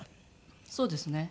そうですね。